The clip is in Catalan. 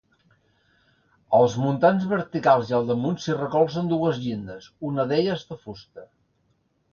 Els muntants verticals i al damunt s'hi recolzen dues llindes, una d'elles de fusta.